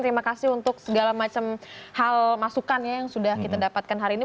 terima kasih untuk segala macam hal masukan yang sudah kita dapatkan hari ini